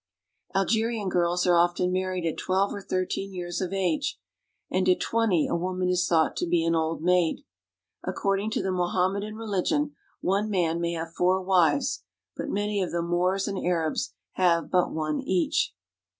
Algerian girls are often married at twelve or thirteen years of age, and at twenty a womau is thought to be an old maid. Accordiug to the Mohammedan religion one man may have four wives, but many of the Moors and Arabs have but one each.